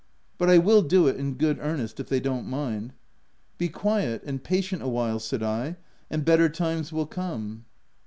But I will do it, in good earnest, if they don't mind." C( Be quiet and patient awhile," said I, " and better times will come."